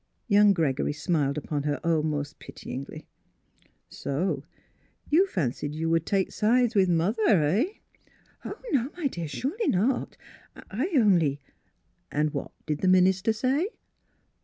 Young Gregory smiled upon her almost pityingly. " So you fancied you would take sides with mother — eh? "" Oh, no, my dear ; surely not ! I only —"" And what did the minister say?